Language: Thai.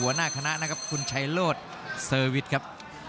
หัวหน้าคณะนะครับคุณชัยโลศเซอร์วิสครับ